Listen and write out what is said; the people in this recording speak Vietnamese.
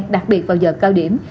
đặc biệt vào giờ cao điểm